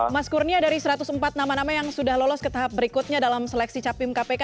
mas kurnia dari satu ratus empat nama nama yang sudah lolos ke tahap berikutnya dalam seleksi capim kpk